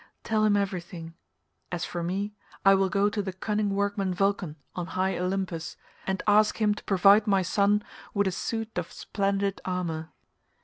Tell him everything; as for me, I will go to the cunning workman Vulcan on high Olympus, and ask him to provide my son with a suit of splendid armour."